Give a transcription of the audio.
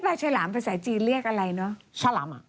ปลาฉลามภาษาจีนเรียกอะไรเนอะ